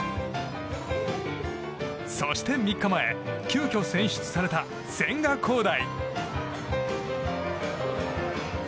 そして３日前急きょ選出された千賀滉大。